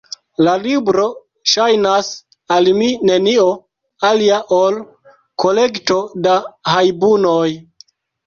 La libro ŝajnas al mi nenio alia ol kolekto da hajbunoj.